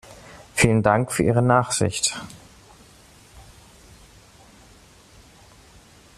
Vielen Dank für Ihre Nachsicht.